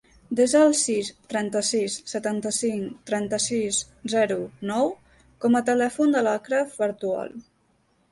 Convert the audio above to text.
Desa el sis, trenta-sis, setanta-cinc, trenta-sis, zero, nou com a telèfon de l'Achraf Bartual.